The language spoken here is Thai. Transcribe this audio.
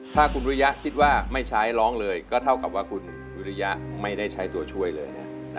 ถ้าคุณวิริยะคิดว่าไม่ใช้ร้องเลยก็เท่ากับว่าคุณวิริยะไม่ได้ใช้ตัวช่วยเลยนะ